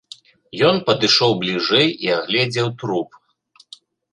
Ён падышоў бліжэй і агледзеў труп.